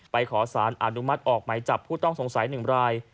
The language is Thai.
ขอสารอนุมัติออกไหมจับผู้ต้องสงสัย๑ราย